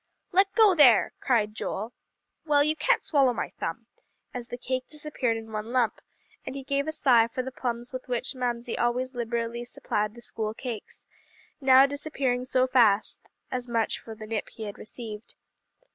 "Let go there," cried Joel; "well, you can't swallow my thumb," as the cake disappeared in one lump; and he gave a sigh for the plums with which Mamsie always liberally supplied the school cakes, now disappearing so fast, as much as for the nip he had received.